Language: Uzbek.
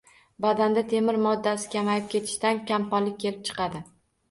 Badanda temir moddasi kamayib ketishidan kamqonlik kelib chiqadi.